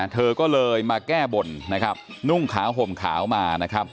เธอก็เลยมาแก้บนนุ่งขาวห่มขาวมา